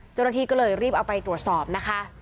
เจ้าหน้าที่ก็เลยรีบเอาไปตรวจสอบนะคะ